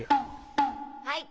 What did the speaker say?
はい。